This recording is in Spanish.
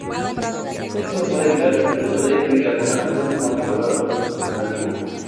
Esto se puede evitar por el uso de bicarbonato como amortiguador alternativo.